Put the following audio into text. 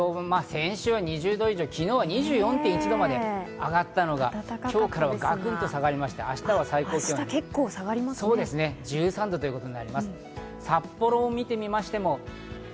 東京、先週は２０度以上、昨日は２４．１度まで上がったのが今日からはガクンと下がりまして、明日は１３度ということになります。